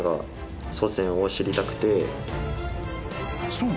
［そう。